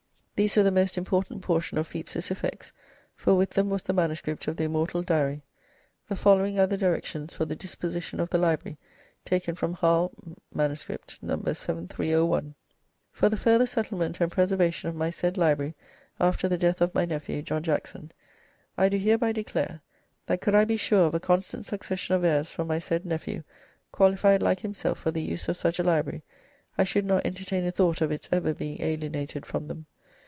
These were the most important portion of Pepys's effects, for with them was the manuscript of the immortal Diary. The following are the directions for the disposition of the library, taken from Harl. MS., No. 7301: "For the further settlement and preservation of my said library, after the death of my nephew. John Jackson, I do hereby declare, That could I be sure of a constant succession of heirs from my said nephew, qualified like himself for the use of such a library, I should not entertain a thought of its ever being alienated from them.